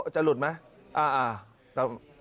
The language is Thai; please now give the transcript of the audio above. จะหลุดไหมอ่ะ